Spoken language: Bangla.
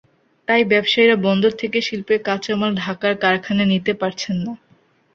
তাই ব্যবসায়ীরা বন্দর থেকে শিল্পের কাঁচামাল ঢাকার কারখানায় নিতে পারছেন না।